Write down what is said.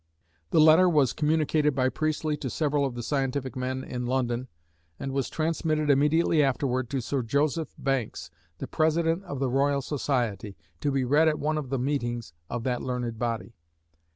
The letter was communicated by Priestley to several of the scientific men in London, and was transmitted immediately afterward to Sir Joseph Banks, the President of the Royal Society, to be read at one of the meetings of that learned body.